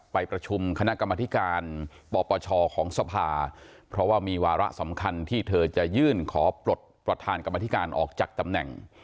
ไปประชุมคณะกรรมธิการปปชของสภาเพราะว่ามีวาระสำคัญที่เธอจะยื่นขอปลดประธานกรรมธิการออกจากตำแหน่ง